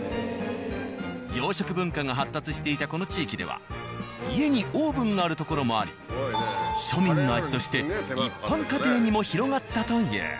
洋食文化が発達していたこの地域では家にオーブンがあるところもあり庶民の味として一般家庭にも広がったという。